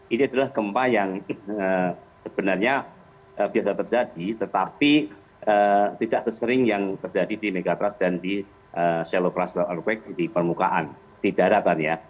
ini adalah gempa yang sebenarnya biasa terjadi tetapi tidak sesering yang terjadi di megatrust dan di shalowrust airbag di permukaan di daratan ya